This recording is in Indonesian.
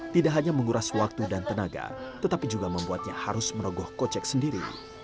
tidak hanya menguras waktu dan tenaga tetapi juga membuatnya harus merogoh kocek sendiri